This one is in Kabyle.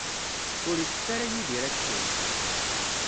Ur itett ara Yidir aksum.